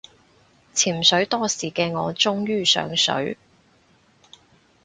潛水多時嘅我終於上水